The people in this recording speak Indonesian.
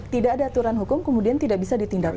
tidak ada aturan hukum kemudian tidak bisa ditindak